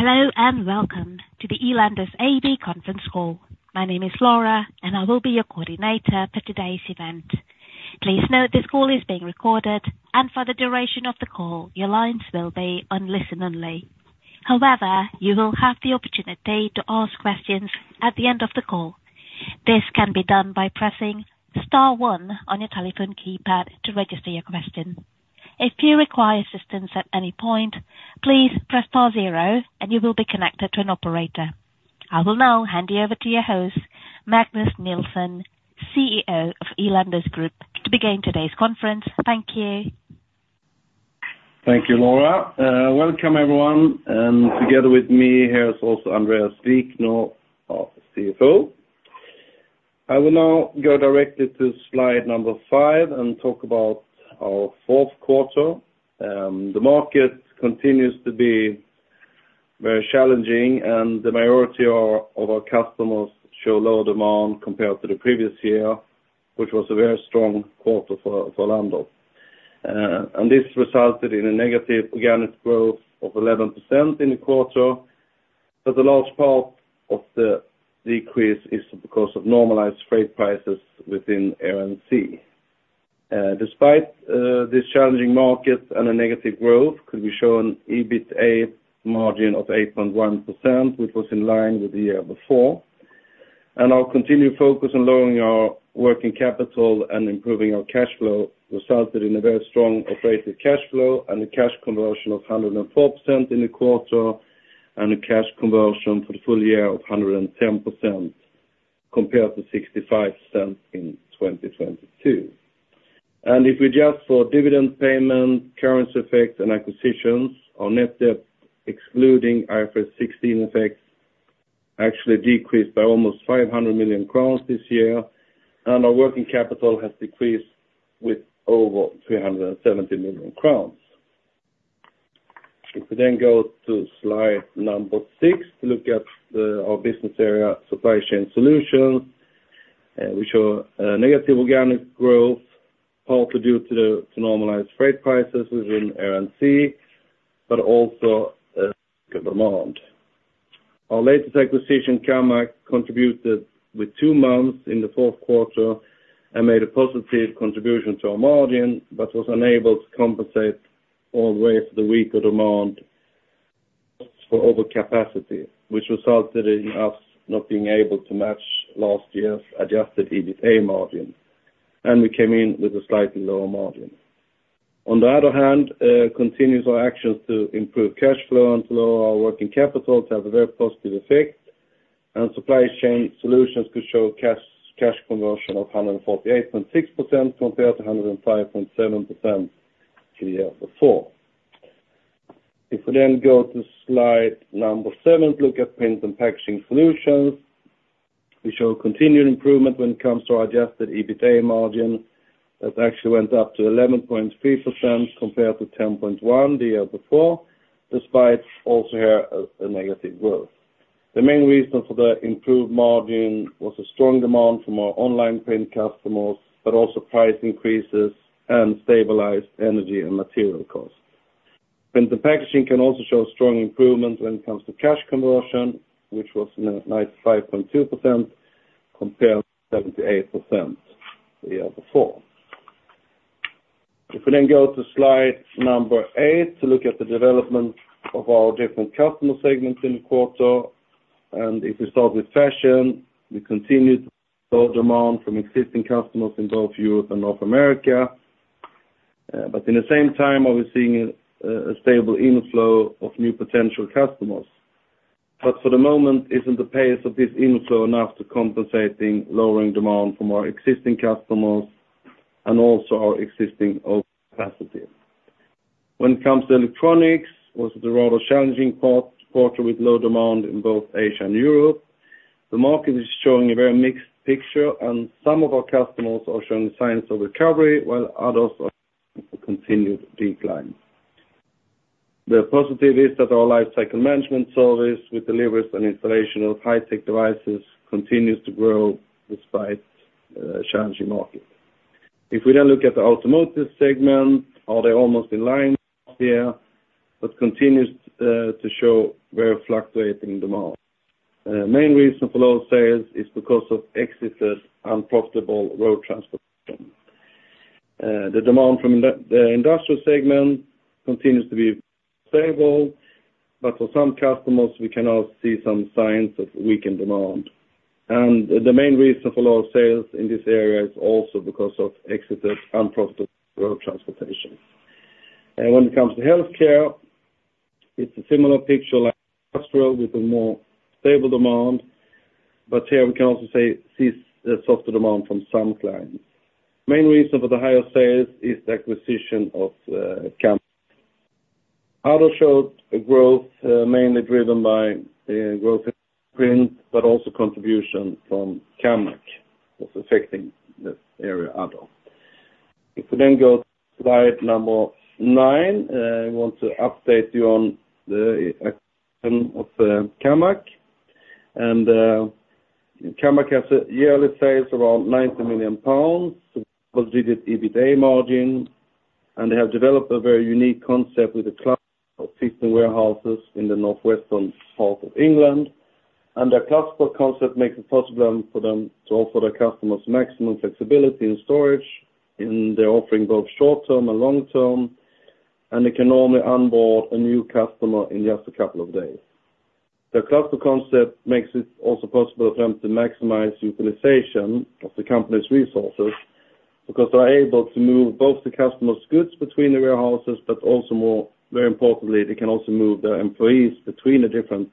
Hello, and welcome to the Elanders AB Conference Call. My name is Laura, and I will be your coordinator for today's event. Please note, this call is being recorded, and for the duration of the call, your lines will be on listen only. However, you will have the opportunity to ask questions at the end of the call. This can be done by pressing star one on your telephone keypad to register your question. If you require assistance at any point, please press star zero and you will be connected to an operator. I will now hand you over to your host, Magnus Nilsson, CEO of Elanders AB, to begin today's conference. Thank you. Thank you, Laura. Welcome, everyone, and together with me, here is also Andréas Wikner, our CFO. I will now go directly to slide number 5 and talk about our fourth quarter. The market continues to be very challenging, and the majority of our customers show low demand compared to the previous year, which was a very strong quarter for Elanders. And this resulted in a negative organic growth of 11% in the quarter, but the large part of the decrease is because of normalized freight prices within Air and Sea. Despite this challenging market and a negative growth, could we show an EBITA margin of 8.1%, which was in line with the year before. And our continued focus on lowering our working capital and improving our cash flow resulted in a very strong operating cash flow and a cash conversion of 104% in the quarter, and a cash conversion for the full year of 110%, compared to 65% in 2022. And if we adjust for dividend payment, currency effects, and acquisitions, our net debt, excluding IFRS 16 effects, actually decreased by almost 500 million crowns this year, and our working capital has decreased with over 370 million crowns. If we then go to slide number 6, to look at our business area, Supply Chain Solution, we show a negative organic growth, partly due to the normalized freight prices within Air and Sea, but also, demand. Our latest acquisition, Kammac, contributed with two months in the fourth quarter and made a positive contribution to our margin, but was unable to compensate all the way for the weaker demand for overcapacity, which resulted in us not being able to match last year's adjusted EBITA margin, and we came in with a slightly lower margin. On the other hand, continuing our actions to improve cash flow and lower our working capital to have a very positive effect, and Supply Chain Solutions could show cash conversion of 148.6% compared to 105.7% the year before. If we then go to slide number 7, look at Print & Packaging Solutions. We show continued improvement when it comes to our adjusted EBITA margin. That actually went up to 11.3% compared to 10.1% the year before, despite also here a negative growth. The main reason for the improved margin was a strong demand from our online print customers, but also price increases and stabilized energy and material costs. Print and Packaging can also show strong improvement when it comes to cash conversion, which was 95.2% compared to 78% the year before. If we then go to slide number 8, to look at the development of our different customer segments in the quarter, and if we start with fashion, we continued low demand from existing customers in both Europe and North America. But in the same time, are we seeing a stable inflow of new potential customers. But for the moment, is the pace of this inflow enough to compensate lowering demand from our existing customers and also our existing overcapacity. When it comes to electronics, it was a rather challenging past quarter with low demand in both Asia and Europe. The market is showing a very mixed picture, and some of our customers are showing signs of recovery, while others are in continued decline. The positive is that our Lifecycle Management service, which delivers an installation of high-tech devices, continues to grow despite challenging market. If we then look at the automotive segment, it was almost in line here, but continues to show very fluctuating demand. Main reason for low sales is because of exited unprofitable road transportation. The demand from the industrial segment continues to be stable, but for some customers we can see some signs of weakened demand. The main reason for low sales in this area is also because of exited, unprofitable road transportation. When it comes to healthcare, it's a similar picture like industrial, with a more stable demand, but here we can also see a softer demand from some clients. Main reason for the higher sales is the acquisition of Kammac. Auto showed a growth, mainly driven by growth in print, but also contribution from Kammac, that's affecting this area, auto. If we then go to slide number 9, I want to update you on the acquisition of Kammac. Kammac has yearly sales around 90 million pounds, positive EBITA margin, and they have developed a very unique concept with a cluster of seasonal warehouses in the northwestern part of England. And their cluster concept makes it possible them, for them to offer their customers maximum flexibility in storage, and they're offering both short-term and long-term, and they can normally onboard a new customer in just a couple of days. The cluster concept makes it also possible for them to maximize utilization of the company's resources, because they're able to move both the customer's goods between the warehouses, but also more, very importantly, they can also move their employees between the different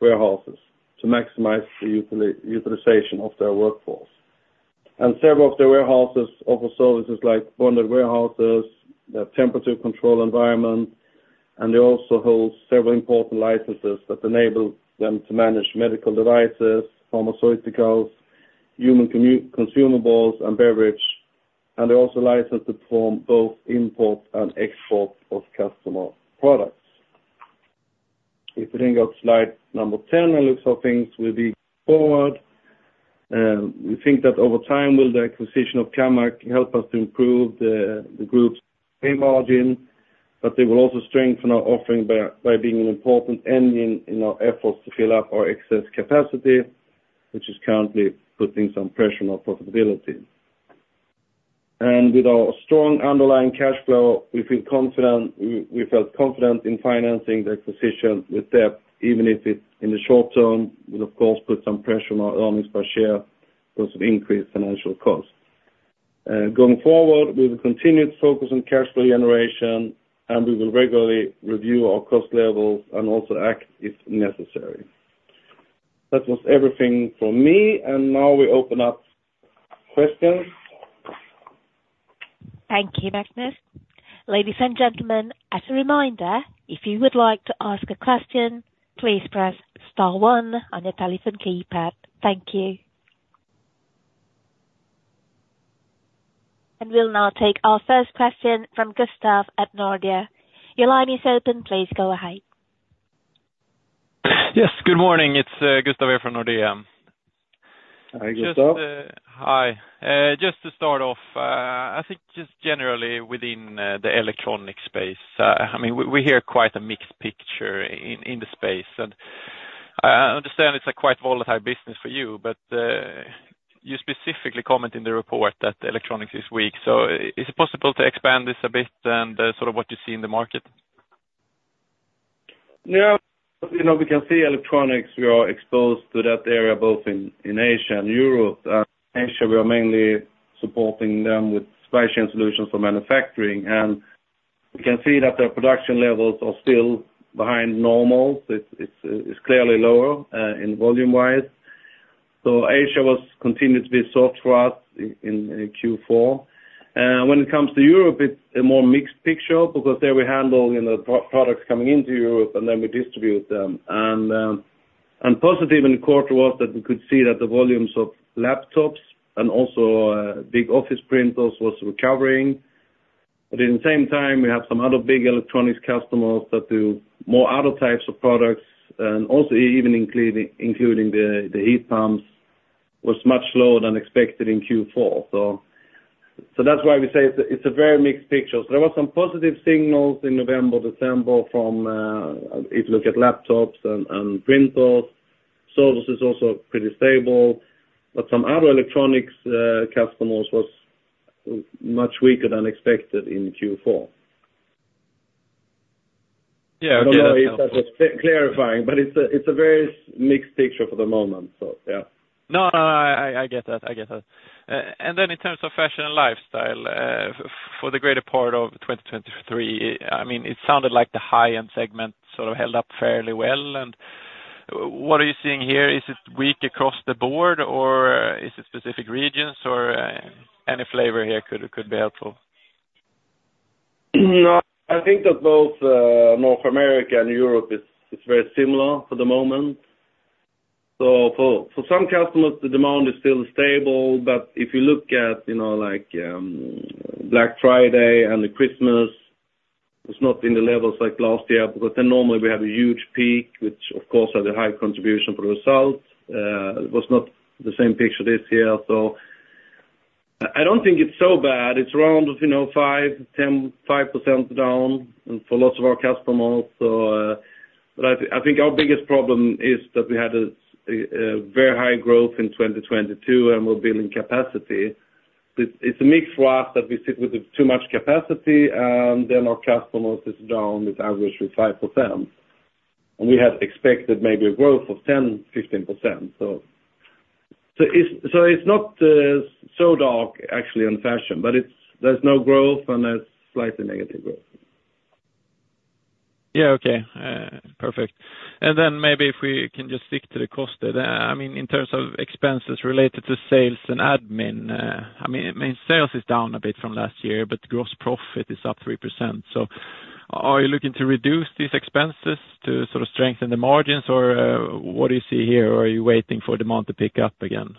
warehouses to maximize the utilization of their workforce. And several of their warehouses offer services like bonded warehouses, temperature-controlled environment, and they also hold several important licenses that enable them to manage medical devices, pharmaceuticals, human consumables, and beverage. And they're also licensed to perform both import and export of customer products. If you think of slide number 10, and look for things moving forward, we think that over time, with the acquisition of Kammac help us to improve the, the group's EBIT margin, but they will also strengthen our offering by, by being an important engine in our efforts to fill up our excess capacity, which is currently putting some pressure on our profitability. And with our strong underlying cash flow, we felt confident in financing the acquisition with debt, even if it's in the short term, will of course put some pressure on our earnings per share because of increased financial costs. Going forward, we will continue to focus on cash flow generation, and we will regularly review our cost levels and also act if necessary. That was everything from me, and now we open up questions. Thank you, Magnus. Ladies and gentlemen, as a reminder, if you would like to ask a question, please press star one on your telephone keypad. Thank you. We'll now take our first question from Gustav at Nordea. Your line is open. Please go ahead. Yes, good morning. It's Gustav here from Nordea. Hi, Gustav. Just, hi. Just to start off, I think just generally within the electronic space, I mean, we hear quite a mixed picture in the space, and I understand it's a quite volatile business for you, but you specifically comment in the report that electronics is weak. So is it possible to expand this a bit and sort of what you see in the market? Yeah, you know, we can see electronics. We are exposed to that area both in Asia and Europe. Asia, we are mainly supporting them with supply chain solutions for manufacturing, and we can see that their production levels are still behind normal. It's clearly lower in volume-wise. So Asia was continuing to be soft for us in Q4. When it comes to Europe, it's a more mixed picture, because there we handle, you know, products coming into Europe, and then we distribute them. And positive in the quarter was that we could see that the volumes of laptops and also big office printers was recovering. But at the same time, we have some other big electronics customers that do more other types of products, and also even including the heat pumps, was much lower than expected in Q4. So, that's why we say it's a very mixed picture. There were some positive signals in November, December from, if you look at laptops and printers, services also pretty stable, but some other electronics, customers was much weaker than expected in Q4. Yeah, okay. Just clarifying, but it's a very mixed picture for the moment, so yeah. No, no, I get that. I get that. And then in terms of fashion and lifestyle, for the greater part of 2023, I mean, it sounded like the high-end segment sort of held up fairly well. And what are you seeing here? Is it weak across the board, or is it specific regions, or any flavor here could be helpful? No, I think that both North America and Europe is very similar for the moment. So for some customers, the demand is still stable, but if you look at, you know, like, Black Friday and the Christmas, it's not in the levels like last year, because then normally we have a huge peak, which of course has a high contribution for the results. It was not the same picture this year, so I don't think it's so bad. It's around, you know, 5, 10, 5% down and for lots of our customers. So, but I think our biggest problem is that we had a very high growth in 2022, and we're building capacity. But it's a mix for us that we sit with too much capacity, and then our customers is down with averages 5%, and we had expected maybe a growth of 10%-15%. So it's not so dark actually on fashion, but it's—there's no growth, and there's slightly negative growth. Yeah, okay. Perfect. And then maybe if we can just stick to the cost of that, I mean, in terms of expenses related to sales and admin, I mean, I mean, sales is down a bit from last year, but gross profit is up 3%. So are you looking to reduce these expenses to sort of strengthen the margins? Or, what do you see here? Or are you waiting for demand to pick up again?...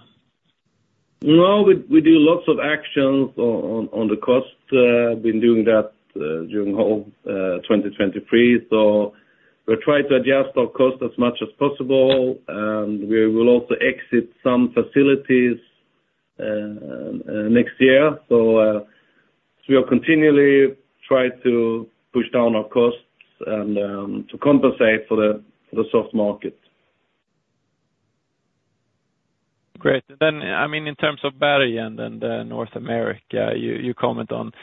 No, we do lots of actions on the cost. Been doing that during all 2023. So we try to adjust our cost as much as possible, and we will also exit some facilities next year. So, we are continually try to push down our costs and to compensate for the soft market. Great. Then, I mean, in terms of Bergen and, North America, you, you comment on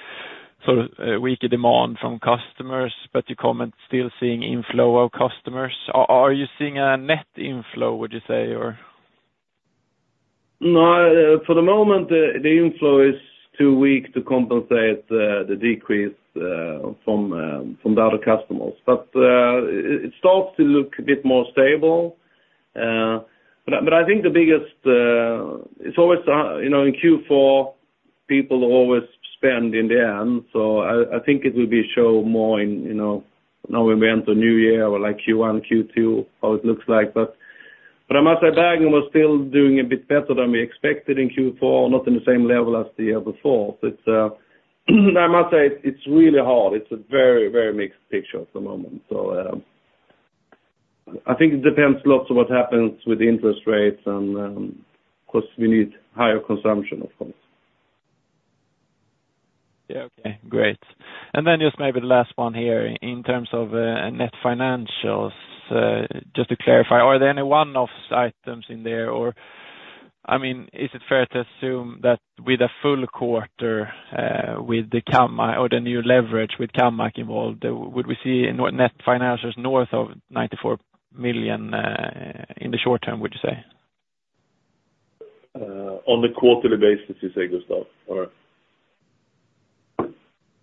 sort of, weaker demand from customers, but you comment still seeing inflow of customers. Are, are you seeing a net inflow, would you say, or? No, for the moment, the inflow is too weak to compensate the decrease from the other customers. But, it starts to look a bit more stable. But I think the biggest, it's always, you know, in Q4, people always spend in the end. So I think it will be show more in, you know, now we enter a new year or like Q1, Q2, how it looks like. But I must say, Bergen was still doing a bit better than we expected in Q4, not in the same level as the year before. But I must say, it's really hard. It's a very, very mixed picture at the moment. So, I think it depends lots of what happens with interest rates and, because we need higher consumption, of course. Yeah, okay. Great. And then just maybe the last one here. In terms of net financials, just to clarify, are there any one-off items in there, or, I mean, is it fair to assume that with a full quarter, with the Kammac or the new leverage with Kammac involved, would we see net financials north of 94 million in the short term, would you say? On the quarterly basis, you say, Gustav, or?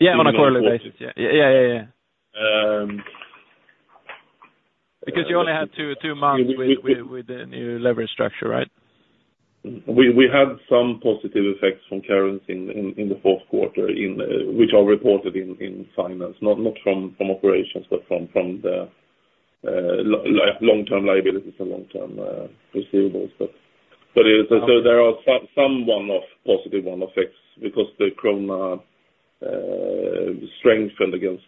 Yeah, on a quarterly basis. Yeah. Yeah, yeah, yeah. Um- Because you only had two months with the new leverage structure, right? We had some positive effects from currency in the fourth quarter, which are reported in finance, not from operations, but from the long-term liabilities and long-term receivables. But so there are some one-off, positive one-off effects because the krona strengthened against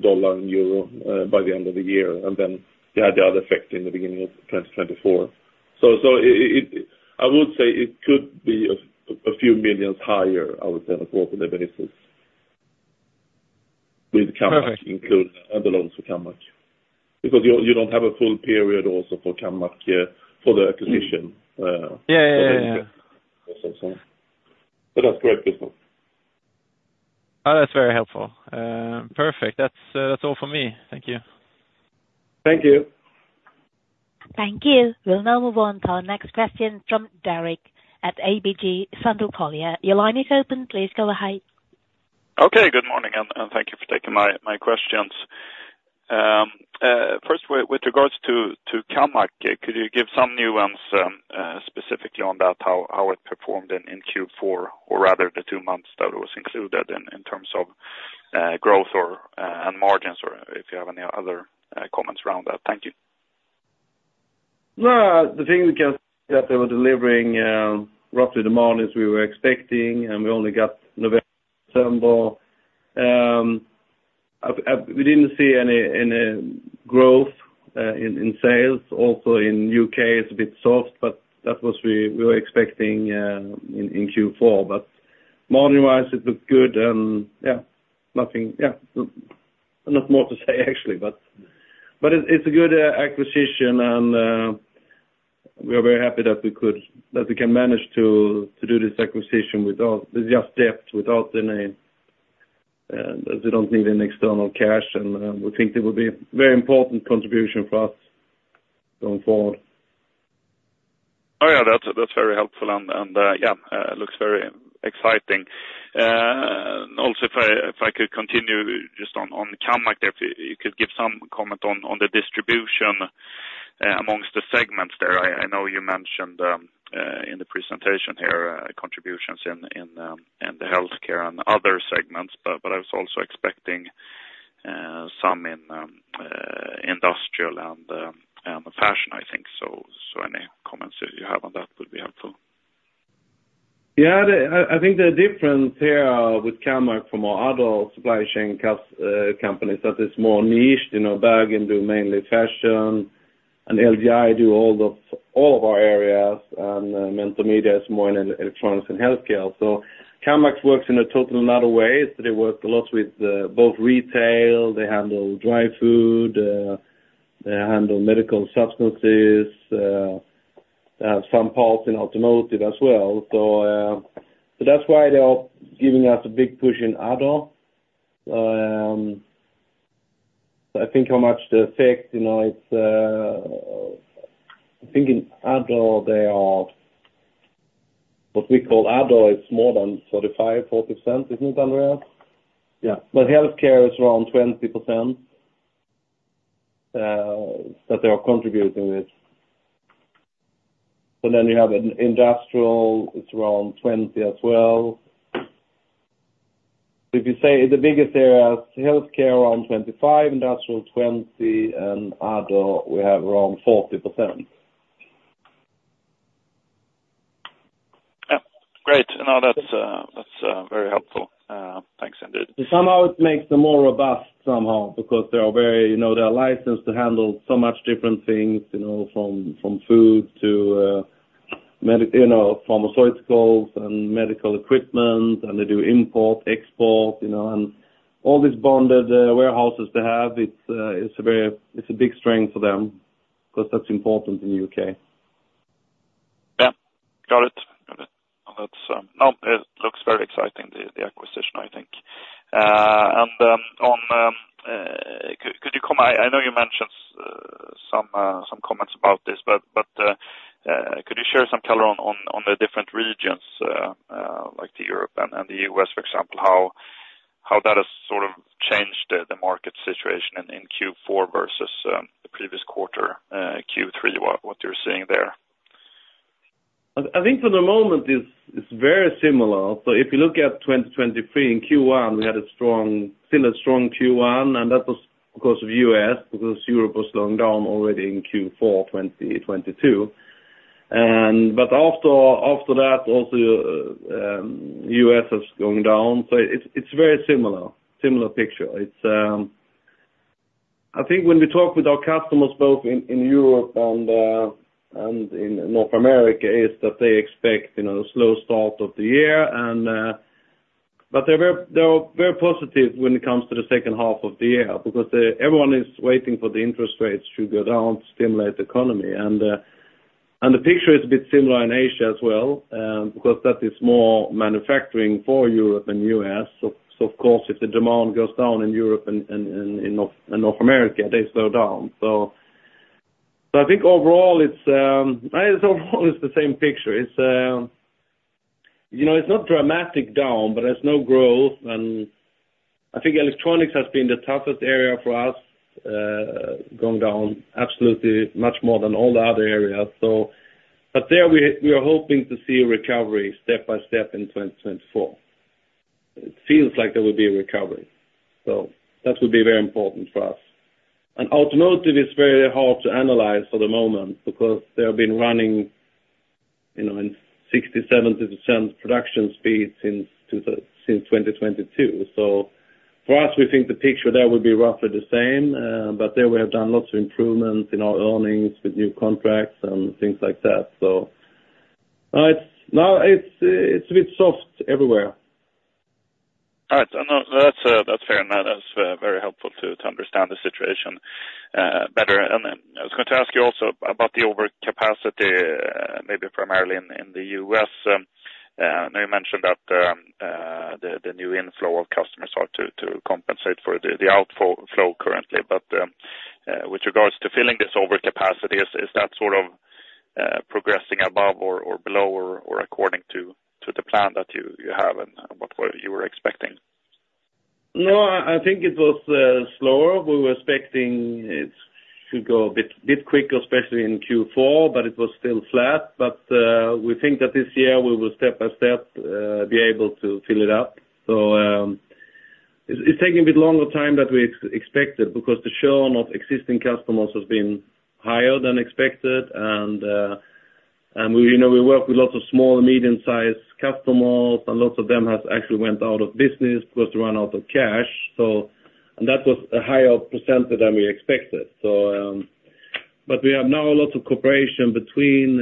dollar and euro by the end of the year, and then you had the other effect in the beginning of 2024. So it, I would say it could be a few million SEK higher, I would say, the quarterly benefits with Kammac included and the loans for Kammac. Because you don't have a full period also for Kammac, yeah, for the acquisition. Yeah, yeah, yeah. So that's correct, Gustav. Oh, that's very helpful. Perfect. That's, that's all for me. Thank you. Thank you. Thank you. We'll now move on to our next question from Derek at ABG Sundal Collier. Your line is open. Please go ahead. Okay, good morning, and thank you for taking my questions. First, with regards to Kammac, could you give some nuance specifically on that, how it performed in Q4, or rather the two months that it was included in terms of growth or and margins, or if you have any other comments around that? Thank you. Well, the thing we can say that they were delivering roughly the demand as we were expecting, and we only got November, December. We didn't see any growth in sales. Also in UK, it's a bit soft, but that was we were expecting in Q4. But margin-wise, it looked good, and yeah, nothing, yeah. Not more to say, actually, but it's a good acquisition, and we are very happy that we can manage to do this acquisition without... with just debt, without any, we don't need any external cash, and we think it will be very important contribution for us going forward. Oh, yeah, that's, that's very helpful, and, and, yeah, looks very exciting. Also, if I, if I could continue just on, on Kammac, if you could give some comment on, on the distribution among the segments there. I, I know you mentioned in the presentation here, contributions in, in, in the healthcare and other segments, but, but I was also expecting some in industrial and, and fashion, I think. So, so any comments that you have on that would be helpful. Yeah, I think the difference here with Kammac from our other supply chain companies, that it's more niched. You know, Bergen do mainly fashion, and LGI do all of, all of our areas, and, Mentor Media is more in electronics and healthcare. So Kammac works in a totally another way. They work a lot with both retail, they handle dry food, they handle medical substances, some parts in automotive as well. So, so that's why they are giving us a big push in other. I think how much the effect, you know, it's, I think in other they are, what we call other is more than 35-40%, isn't it, Andréas? Yeah. But healthcare is around 20%, that they are contributing with. So then you have industrial, it's around 20% as well. If you say the biggest area is healthcare around 25, industrial 20, and other, we have around 40%. Yeah. Great. Now, that's very helpful. Thanks indeed. Somehow it makes them more robust, somehow, because they are very, you know, they are licensed to handle so much different things, you know, from food to you know, pharmaceuticals and medical equipment, and they do import, export, you know, and all these bonded warehouses they have, it's, it's a big strength for them, because that's important in the U.K. Yeah. Got it. Got it. Well, that's, no, it looks very exciting, the acquisition, I think. And, on, could you comment—I know you mentioned some comments about this, but, could you share some color on the different regions, like Europe and the U.S., for example, how that has sort of changed the market situation in Q4 versus the previous quarter, Q3, what you're seeing there? I think for the moment, it's very similar. So if you look at 2023, in Q1, we had a strong, still a strong Q1, and that was because of the U.S., because Europe was going down already in Q4, 2022. But after that, also, the U.S. has gone down, so it's very similar picture. I think when we talk with our customers, both in Europe and in North America, is that they expect, you know, a slow start of the year, and but they're very positive when it comes to the second half of the year, because everyone is waiting for the interest rates to go down, stimulate the economy. And the picture is a bit similar in Asia as well, because that is more manufacturing for Europe and the U.S. So of course, if the demand goes down in Europe and in North America, they slow down. So I think overall it's the same picture. It's you know, it's not dramatic down, but there's no growth. And I think electronics has been the toughest area for us, going down absolutely much more than all the other areas, so. But there we are hoping to see a recovery step by step in 2024. It feels like there will be a recovery, so that will be very important for us. And automotive is very hard to analyze for the moment, because they have been running you know, in 60%-70% production speed since 2022. So for us, we think the picture there will be roughly the same, but there we have done lots of improvements in our earnings with new contracts and things like that, so. It's a bit soft everywhere. All right. I know that's fair, and that is very helpful to understand the situation better. Then I was going to ask you also about the overcapacity, maybe primarily in the U.S. I know you mentioned that the new inflow of customers start to compensate for the outflow currently. But with regards to filling this overcapacity, is that sort of progressing above or below or according to the plan that you have, and what you were expecting? No, I think it was slower. We were expecting it to go a bit quicker, especially in Q4, but it was still flat. But we think that this year we will step by step be able to fill it up. So it's taking a bit longer time than we expected, because the churn of existing customers has been higher than expected. And we, you know, we work with lots of small and medium-sized customers, and lots of them has actually went out of business, because they run out of cash. So and that was a higher percentage than we expected. So but we have now a lot of cooperation between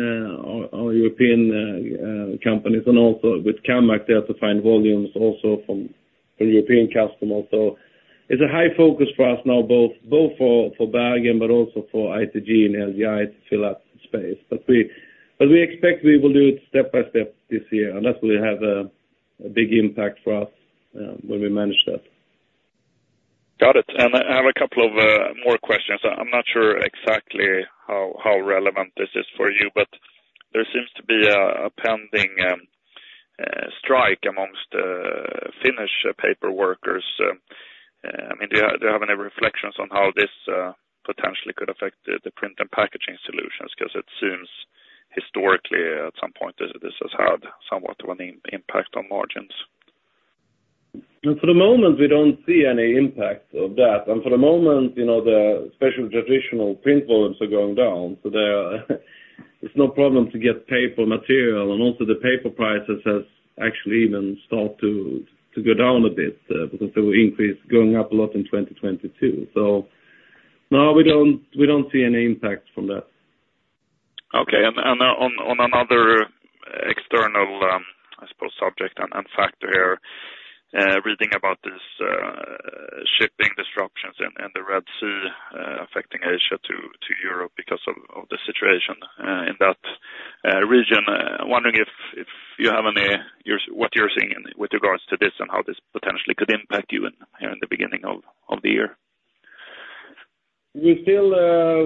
our European companies and also with Kammac there to find volumes also from the European customers. So it's a high focus for us now, both for Bergen, but also for ITG and LGI to fill up space. But we expect we will do it step by step this year, unless we have a big impact for us when we manage that. Got it. And I have a couple of more questions. I'm not sure exactly how relevant this is for you, but there seems to be a pending strike among Finnish paper workers. I mean, do you have any reflections on how this potentially could affect the print and packaging solutions? Because it seems historically, at some point, this has had somewhat of an impact on margins. For the moment, we don't see any impact of that. For the moment, you know, the special traditional print volumes are going down, so there, there's no problem to get paper material, and also the paper prices has actually even started to go down a bit, because they were increased, going up a lot in 2022. No, we don't see any impact from that. Okay. And on another external, I suppose, subject and factor here, reading about this shipping disruptions in the Red Sea, affecting Asia to Europe because of the situation in that region. Wondering if you have any, yours—what you're seeing in with regards to this and how this potentially could impact you here in the beginning of the year? We still,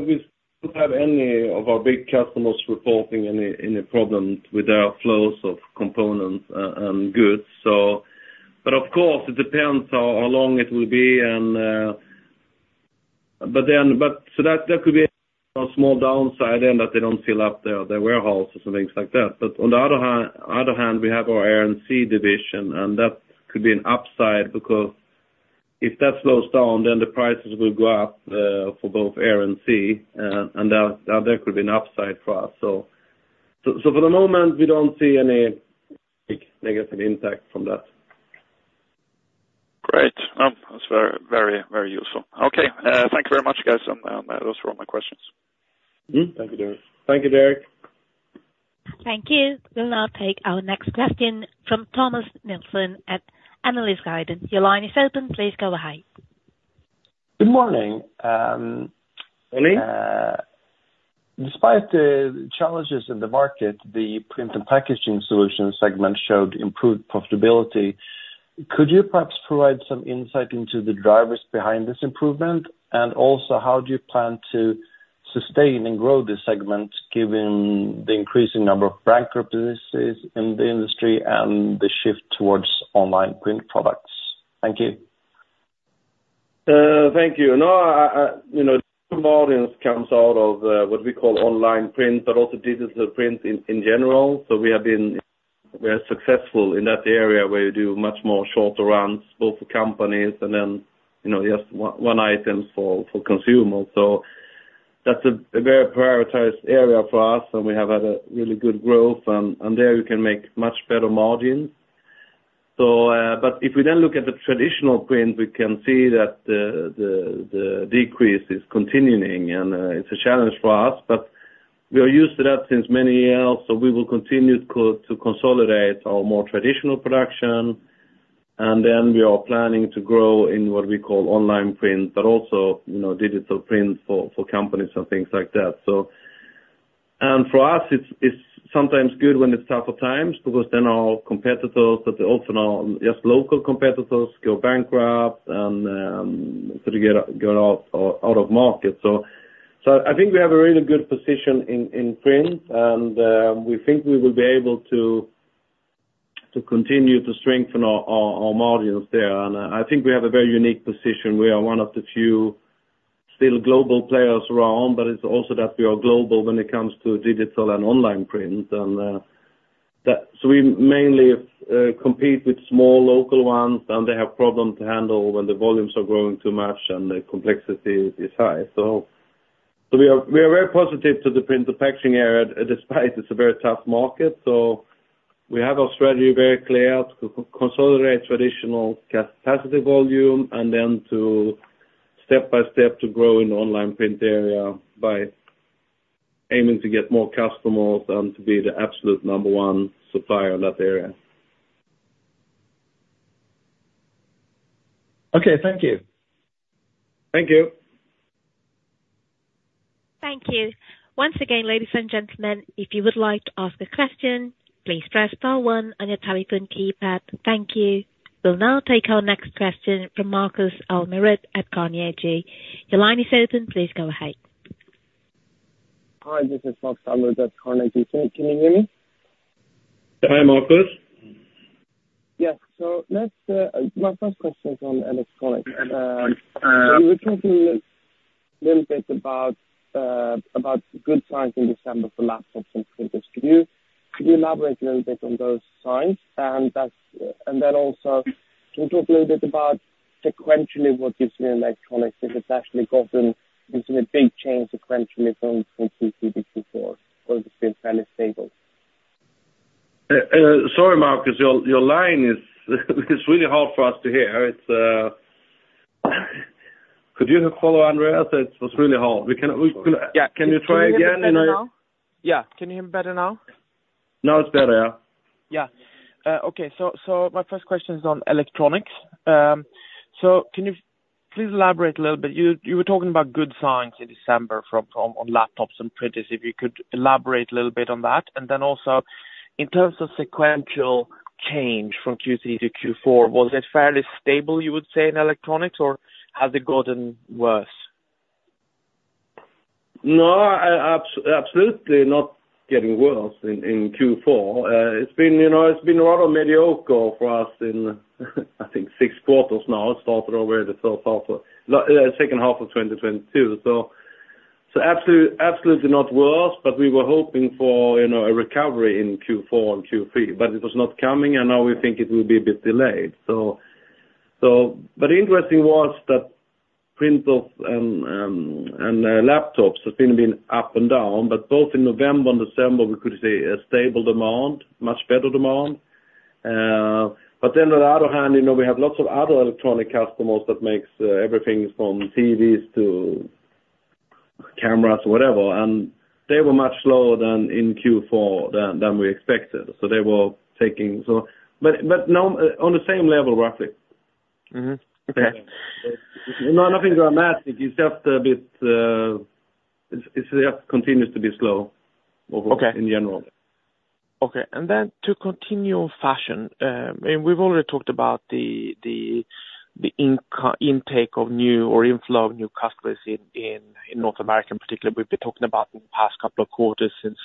we don't have any of our big customers reporting any, any problems with our flows of components and goods, so... But of course, it depends how, how long it will be, and... But then, but so that, that could be a small downside and that they don't fill up their, their warehouses or things like that. But on the other hand, other hand, we have our air and sea division, and that could be an upside, because if that slows down, then the prices will go up, for both air and sea, and that, that there could be an upside for us. So, so for the moment, we don't see any big negative impact from that. Great. That's very, very, very useful. Okay, thank you very much, guys, and those were all my questions. Mm-hmm. Thank you, Derek. Thank you, Derek. Thank you. We'll now take our next question from Thomas Nilsson at Analysis Guide. Your line is open. Please go ahead. Good morning. Good morning. Despite the challenges in the market, the Print and Packaging Solutions segment showed improved profitability. Could you perhaps provide some insight into the drivers behind this improvement? And also, how do you plan to sustain and grow this segment, given the increasing number of bankruptcies in the industry and the shift towards online print products? Thank you. Thank you. No, I, I, you know, margins comes out of what we call online print, but also digital print in general. So we have been very successful in that area, where you do much more shorter runs, both for companies and then, you know, just one item for consumers. So that's a very prioritized area for us, and we have had a really good growth, and there you can make much better margins. So, but if we then look at the traditional print, we can see that the decrease is continuing, and it's a challenge for us, but we are used to that since many years, so we will continue to consolidate our more traditional production. Then we are planning to grow in what we call online print, but also, you know, digital print for companies and things like that. For us, it's sometimes good when it's tougher times, because then our competitors, but also now just local competitors, go bankrupt and sort of get out of market. I think we have a really good position in print, and we think we will be able to continue to strengthen our margins there. I think we have a very unique position. We are one of the few still global players around, but it's also that we are global when it comes to digital and online print, and so we mainly compete with small local ones, and they have problem to handle when the volumes are growing too much and the complexity is high. So we are very positive to the print packaging area, despite it's a very tough market. So we have our strategy very clear to consolidate traditional capacity volume, and then to step by step, to grow in online print area by aiming to get more customers and to be the absolute number one supplier in that area. Okay. Thank you. Thank you. Thank you. Once again, ladies and gentlemen, if you would like to ask a question, please press star one on your telephone keypad. Thank you. We'll now take our next question from Marcus Almerud at Carnegie. Your line is open. Please go ahead. Hi, this is Marcus Almerud at Carnegie. Can you hear me? Hi, Marcus. Yes. So let's, my first question is on electronics. You were talking a little bit about good signs in December for laptops and printers. Could you elaborate a little bit on those signs? And that's, And then also, can you talk a little bit about sequentially what you see in electronics, if it's actually gotten, if there's been a big change sequentially from Q3 to Q4, or if it's been fairly stable? Sorry, Marcus, your line is really hard for us to hear. Could you follow Andréas? It was really hard. We can... Yeah. Can you try again and, Yeah. Can you hear me better now? Now it's better, yeah. Yeah. Okay. So, so my first question is on electronics. So can you please elaborate a little bit? You were talking about good signs in December from on laptops and printers, if you could elaborate a little bit on that. And then also, in terms of sequential change from Q3 to Q4, was it fairly stable, you would say, in electronics, or has it gotten worse? No, absolutely not getting worse in Q4. It's been, you know, rather mediocre for us in, I think, six quarters now. It started already the first half of second half of 2022. So, so, absolutely, absolutely not worse, but we were hoping for, you know, a recovery in Q4 and Q3, but it was not coming, and now we think it will be a bit delayed. So, but interesting was that printers and laptops have been being up and down, but both in November and December, we could see a stable demand, much better demand. But then on the other hand, you know, we have lots of other electronic customers that makes everything from TVs to cameras, whatever, and they were much slower than in Q4 than we expected. So they were taking... But now on the same level, roughly. Mm-hmm. Okay. No, nothing dramatic. It's just a bit, it's, it's just continues to be slow- Okay. -over in general. Okay. And then to continue on fashion, and we've already talked about the intake of new or inflow of new customers in North America, in particular. We've been talking about the past couple of quarters since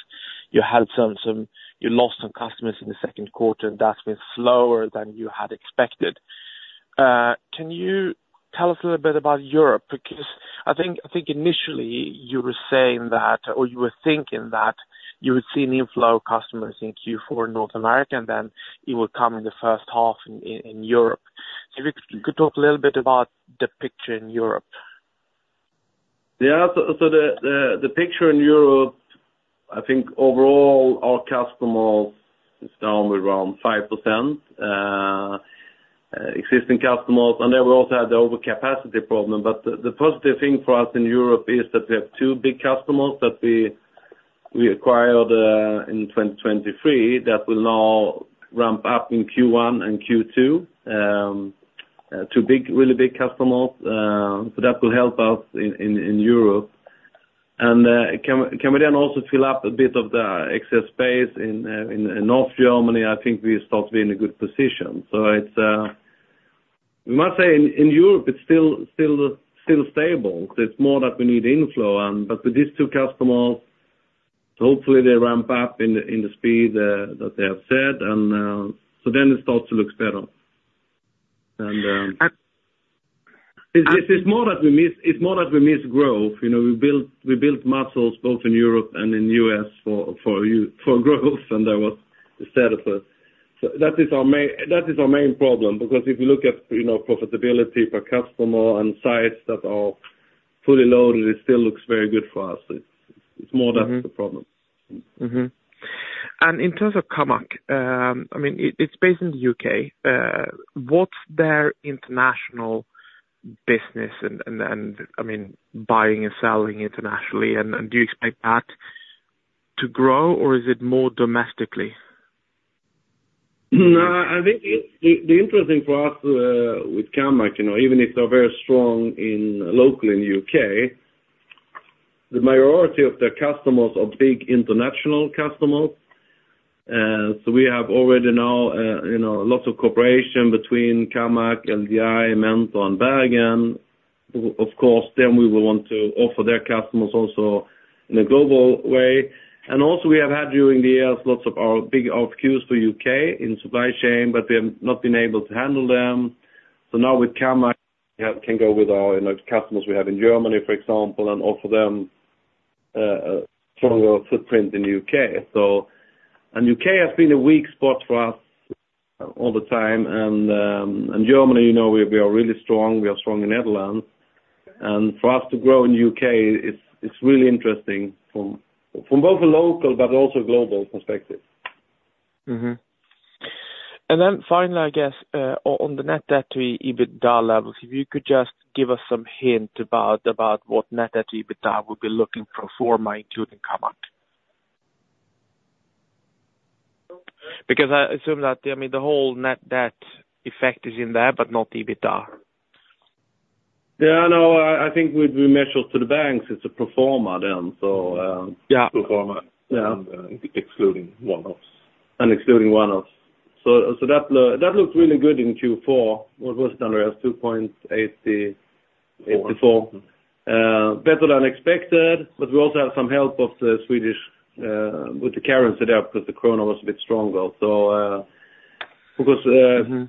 you lost some customers in the second quarter, and that's been slower than you had expected. Can you tell us a little bit about Europe? Because I think initially you were saying that, or you were thinking that you would see new flow of customers in Q4 in North America, and then it would come in the first half in Europe. If you could talk a little bit about the picture in Europe. Yeah. So the picture in Europe, I think overall our customer is down with around 5%. Existing customers, and then we also had the overcapacity problem. But the positive thing for us in Europe is that we have two big customers that we acquired in 2023 that will now ramp up in Q1 and Q2. Two big, really big customers, so that will help us in Europe. And we can then also fill up a bit of the excess space in North Germany, I think we start to be in a good position. So it's, we must say in Europe, it's still stable. It's more that we need inflow and, but with these two customers, hopefully they ramp up in the, in the speed that they have said, and, so then it starts to look better. And, And- It's more that we miss growth. You know, we built muscles both in Europe and in U.S. for growth, and that was instead of. So that is our main problem. Because if you look at, you know, profitability per customer and sites that are fully loaded, it still looks very good for us. It's more that's the problem. Mm-hmm. Mm-hmm. And in terms of Kammac, I mean it, it's based in the UK. What's their international business? And I mean, buying and selling internationally, and do you expect that to grow, or is it more domestically? No, I think it's the interesting for us with Kammac, you know, even if they're very strong locally in UK, the majority of their customers are big international customers. So we have already now, you know, lots of cooperation between Kammac, LGI, Mentor, and Bergen. Of course, then we will want to offer their customers also in a global way. And also we have had during the years, lots of our big RFQs for UK in supply chain, but we have not been able to handle them. So now with Kammac, we can go with our, you know, customers we have in Germany, for example, and offer them a stronger footprint in UK. So and UK has been a weak spot for us all the time, and in Germany, you know, we are really strong. We are strong in Netherlands. For us to grow in UK, it's really interesting from both a local but also global perspective. Mm-hmm. And then finally, I guess, on the net debt to EBITDA levels, if you could just give us some hint about what net debt to EBITDA we'll be looking for moving forward including Kammac. Because I assume that, I mean, the whole net debt effect is in there, but not EBITDA. Yeah, I know. I think we measured to the banks. It's a pro forma then. So, Yeah. Pro forma. Yeah. Excluding one-offs. And excluding one-offs. So, that looks really good in Q4. What was it, Andréas? 2.80- Eighty-four. 84. Better than expected, but we also had some help of the Swedish with the currency there, because the krona was a bit stronger. Mm-hmm. You know,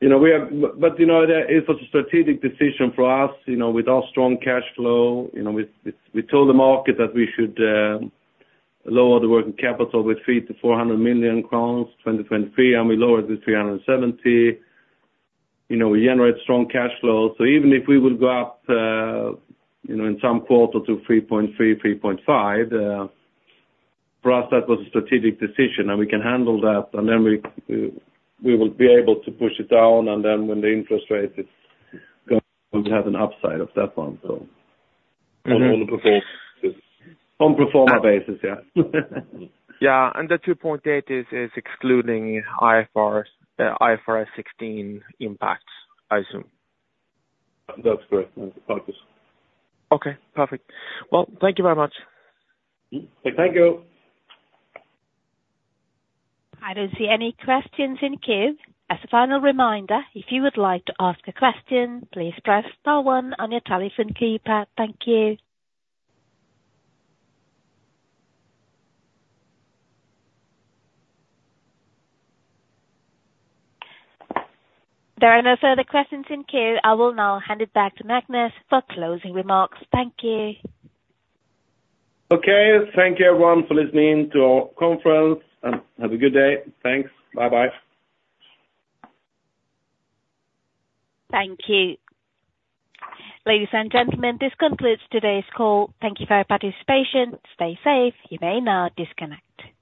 but you know, that is a strategic decision for us. You know, with our strong cash flow, you know, we told the market that we should lower the working capital with 300-400 million crowns, 2023, and we lowered to 370 million. You know, we generate strong cash flow. So even if we will go up, you know, in some quarter to 3.3, 3.5, for us, that was a strategic decision, and we can handle that. And then we will be able to push it down, and then when the interest rate is going, we have an upside of that one, so. Mm-hmm. On pro forma basis. On pro forma basis, yeah. Yeah, and the 2.8 is excluding IFRS 16 impacts, I assume? That's correct, Marcus. Okay, perfect. Well, thank you very much. Okay, thank you! I don't see any questions in queue. As a final reminder, if you would like to ask a question, please press star one on your telephone keypad. Thank you. There are no further questions in queue. I will now hand it back to Magnus for closing remarks. Thank you. Okay. Thank you everyone for listening to our conference, and have a good day. Thanks. Bye-bye. Thank you. Ladies and gentlemen, this concludes today's call. Thank you for your participation. Stay safe. You may now disconnect.